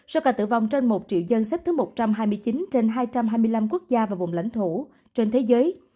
số ca tử vong trên một triệu dân xếp thứ một trăm hai mươi chín trên hai trăm hai mươi năm quốc gia và vùng lãnh thổ trên thế giới